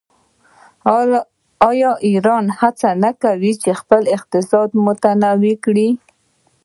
آیا ایران هڅه نه کوي چې خپل اقتصاد متنوع کړي؟